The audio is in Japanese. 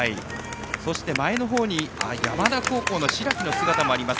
そして、前の方に山田高校の白木の姿です。